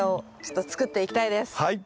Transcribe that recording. はい。